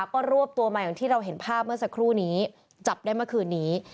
ก็รวบตัวมาอย่างที่เราเห็นภาพเมื่อสักครู่นี้จับได้เมื่อคืนนี้